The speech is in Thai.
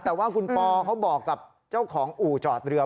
แต่ว่าคุณปอเขาบอกกับเจ้าของอู่จอดเรือ